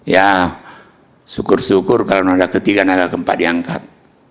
ya syukur syukur kalau ada ketiga ada yang keempat diangkat